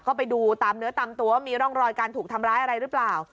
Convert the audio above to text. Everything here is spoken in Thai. ก็ไปดูตามเนื้อตามตัวว่ามีร่องรอยการถูกทำร้ายอะไรหรือเปล่า